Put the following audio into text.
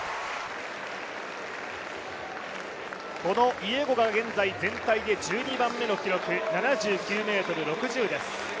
このイエゴが現在、全体で１２番目の記録、７９ｍ６０です。